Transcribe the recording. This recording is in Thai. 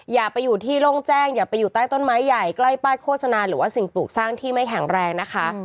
อย่าไปอยู่ที่โล่งแจ้งอย่าไปอยู่ใต้ต้นไม้ใหญ่ใกล้ป้ายโฆษณาหรือว่าสิ่งปลูกสร้างที่ไม่แข็งแรงนะคะ